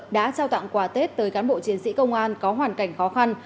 đã trao tặng quà tết tới cán bộ chiến sĩ công an có hoàn cảnh khó khăn